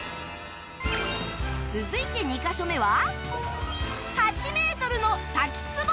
続いて２カ所目は